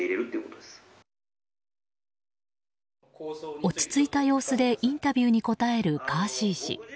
落ち着いた様子でインタビューに答えるガーシー氏。